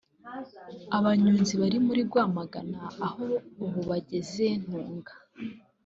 Abanyonzi bari muri Rwamagana aho ubu bageze Ntunga